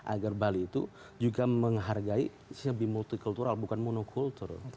agar bali itu juga menghargai lebih multikultural bukan monokultur